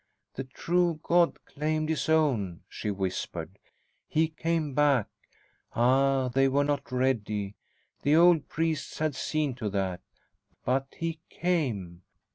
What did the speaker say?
"The true God claimed His own," she whispered. "He came back. Ah, they were not ready the old priests had seen to that. But he came.